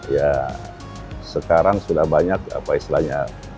ya sekarang sudah banyak apa istilahnya